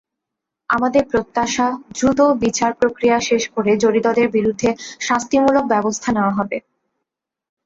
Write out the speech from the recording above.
আমাদের প্রত্যাশা, দ্রুত বিচার-প্রক্রিয়া শেষ করে জড়িতদের বিরুদ্ধে শাস্তিমূলক ব্যবস্থা নেওয়া হবে।